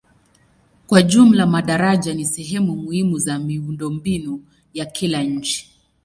Kwa jumla madaraja ni sehemu muhimu za miundombinu ya kila nchi.